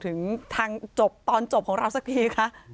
ถึงทางจบตอนจบของเราสักทีคะ